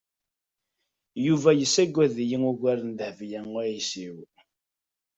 Yuba yessagad-iyi ugar n Dehbiya u Ɛisiw.